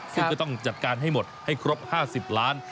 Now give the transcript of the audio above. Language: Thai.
ซึ่งก็ต้องจัดการให้หมดให้ครบ๕๐ล้าน